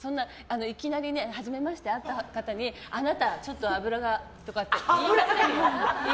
いきなりはじめましてで会った方にあなた、ちょっと脂がとかって言いませんよ。